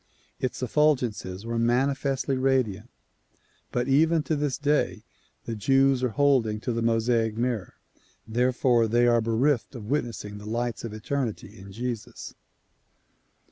Its effulgences were manifestly radiant but even to this day the Jews are holding to the IMosaic mirror. Therefore they are bereft of witnessing the lights of eternity in Jesus.